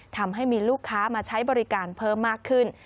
ทำให้มีลูกค้ามาใช้บริการเพิ่มมากขึ้น